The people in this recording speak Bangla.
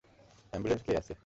অ্যাম্বুলেন্স কে আছে?